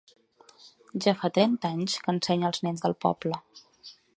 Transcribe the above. Ja fa trenta anys que ensenya els nens del poble.